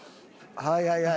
はいはいはい。